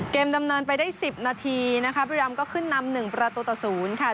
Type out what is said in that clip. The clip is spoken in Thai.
เกมดำเนินไปได้๑๐นาทีนะครับบิรัมก็ขึ้นนำ๑ประตูตะศูนย์ค่ะ